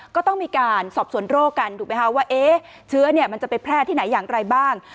ก็ต้องมีการสอบสวนโรคกันถูกไหมคะว่าเชื้อมันจะไปแพร่ที่ไหนอย่างไรบ้าง